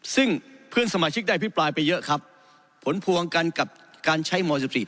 ซึ่งเพื่อนสมาชิกได้พิปรายไปเยอะครับผลพวงกันกับการใช้ม๑๔